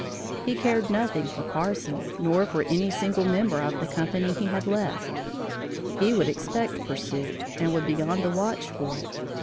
He cared nothing for Carson, nor for any single member of the company he had left. He would expect pursuit and would be on the watch for it.